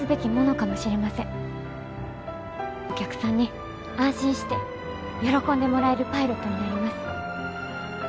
お客さんに安心して喜んでもらえるパイロットになります。